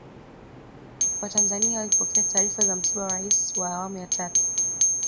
watanzania walipokea taarifa za msiba wa raisi wa awamu ya tatu